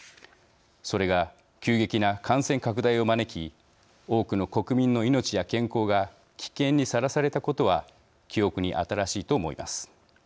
それが急激な感染拡大を招き多くの国民の命や健康が危険にさらされたことは記憶に新しいと思います。